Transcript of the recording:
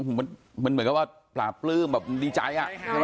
เผลอกลางอยู่กับฝ่าเมื่อก็พลาบปลื้มอยากดีใจ